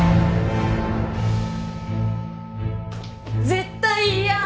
絶対嫌！